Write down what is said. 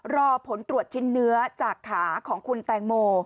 รอผลตรวจชิ้นเนื้อจากขาของคุณแตงโม